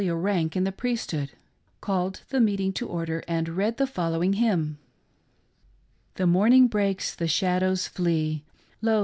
a rank in the priesthood — called the meeting to order, and read the following hymn : The morning breaks, the shadows flee ; Lo